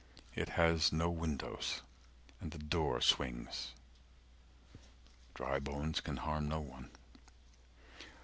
It has no windows, and the door swings, Dry bones can harm no one.